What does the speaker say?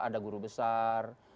ada guru besar